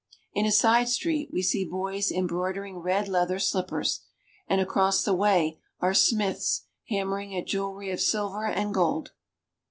In a side street we see boys embroidering red leather slippers, and across the way are smiths hammering at jewelry of silver and gold.